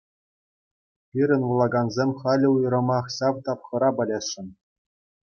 Пирӗн вулакансем халӗ уйрӑмах ҫав тапхӑра пӗлесшӗн.